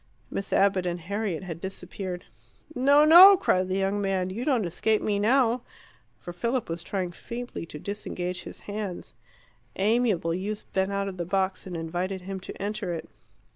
Miss Abbott and Harriet had disappeared. "No! no!" cried the young man. "You don't escape me now." For Philip was trying feebly to disengage his hands. Amiable youths bent out of the box and invited him to enter it.